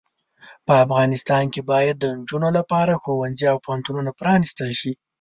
په افغانستان کې باید د انجونو لپاره ښوونځې او پوهنتونونه پرانستل شې.